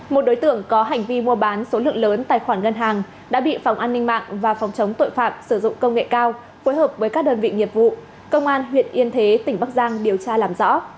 một đối tượng có hành vi mua bán số lượng lớn tài khoản ngân hàng đã bị phòng an ninh mạng và phòng chống tội phạm sử dụng công nghệ cao phối hợp với các đơn vị nghiệp vụ công an huyện yên thế tỉnh bắc giang điều tra làm rõ